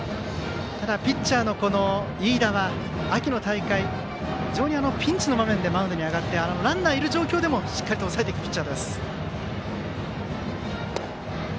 ただピッチャーの飯田は秋の大会、非常にピンチの場面でマウンドに上がってランナーがいる状況でもしっかりと抑えていたピッチャー。